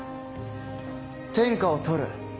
天下を獲る。